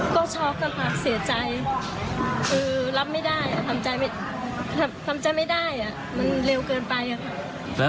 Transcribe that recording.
ก็ช็อกกันค่ะเสียใจรับไม่ได้ทำใจไม่ได้มันเร็วเกินไป